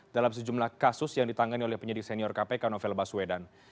dalam sejumlah kasus yang ditangani oleh penyidik senior kpk novel baswedan